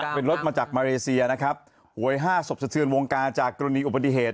เป็นรถมาจากมาเลเซียนะครับหวยห้าศพสะเทือนวงการจากกรณีอุบัติเหตุ